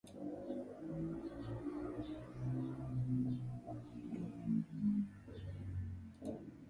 Kā tu domā, kā dēļ tad tie bija?